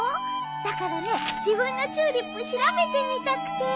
だからね自分のチューリップ調べてみたくて。